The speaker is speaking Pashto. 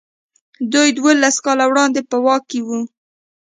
دوی دولس کاله وړاندې په واک کې وو.